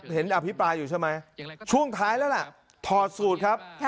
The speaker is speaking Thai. อภิปรายอยู่ใช่ไหมช่วงท้ายแล้วล่ะถอดสูตรครับ